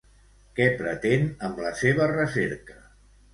Què pretén amb la seva recerca?